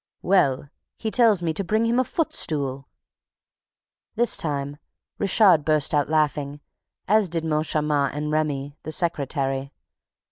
"Well, he tells me to bring him a footstool!" This time, Richard burst out laughing, as did Moncharmin and Remy, the secretary.